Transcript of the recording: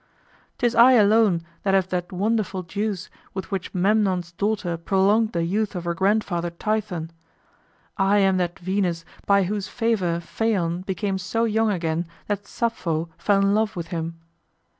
'Tis I alone that have that wonderful juice with which Memnon's daughter prolonged the youth of her grandfather Tithon. I am that Venus by whose favor Phaon became so young again that Sappho fell in love with him.